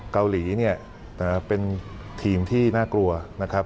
เกาหลีเนี่ยเป็นทีมที่น่ากลัวนะครับ